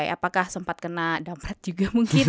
apakah sempat kena dampak juga mungkin